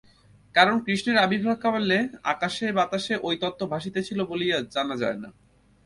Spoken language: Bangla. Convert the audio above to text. কারণ কৃষ্ণের আবির্ভাবকালে আকাশে বাতাসে ঐ তত্ত্ব ভাসিতেছিল বলিয়া জানা যায় না।